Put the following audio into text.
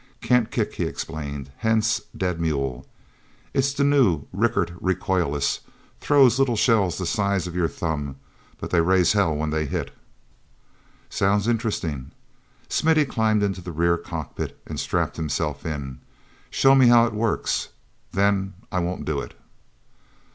"Can't kick," he explained, "—hence 'dead mule.' It's the new Rickert recoilless; throws little shells the size of your thumb—but they raise hell when they hit." "Sounds interesting." Smithy climbed into the rear cockpit and strapped himself in. "Show me how it works, then I won't do it."